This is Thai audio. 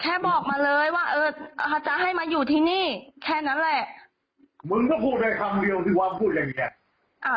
แค่บอกมาเลยว่าเออเขาจะให้มาอยู่ที่นี่แค่นั้นแหละมึงก็พูดได้คำเดียวที่ว่าพูดอะไรอย่างเงี้ยอ่า